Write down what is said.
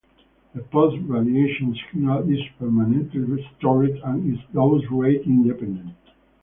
The post radiation signal is permanently stored and is dose rate independent.